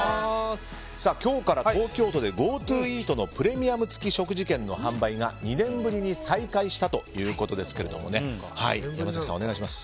今日から東京都でＧｏＴｏイートのプレミアム付食事券の販売が２年ぶりに再開したということですが山崎さん、お願いします。